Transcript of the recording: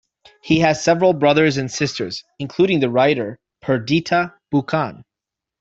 He has several brothers and sisters, including the writer Perdita Buchan.